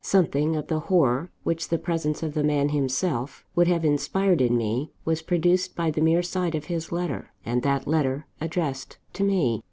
Something of the horror which the presence of the man himself would have inspired in me, was produced by the mere sight of his letter, and that letter addressed to _me.